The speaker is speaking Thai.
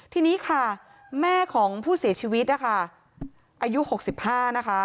ทีนี้ค่ะแม่ของผู้เสียชีวิตนะคะอายุ๖๕นะคะ